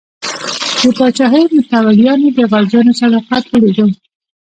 د پاچاهۍ متولیانو د غازیانو صداقت ولیدو.